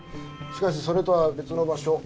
しかしそれとは別の場所